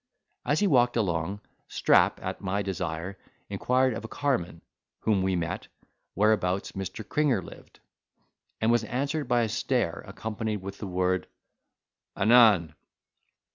As he walked along, Strap, at my desire, inquired of a carman, whom we met, whereabouts Mr. Cringer lived: and was answered by a stare, accompanied with the word "Anan!"